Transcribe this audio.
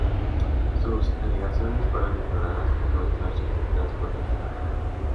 Sus alegaciones fueron ignoradas por no estar sustentadas por ninguna prueba.